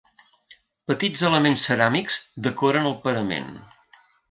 Petits elements ceràmics decoren el parament.